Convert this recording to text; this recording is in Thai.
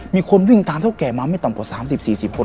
มีคนวิ่งตามเท่าแก่มาไม่ต่ำกว่า๓๐๔๐คน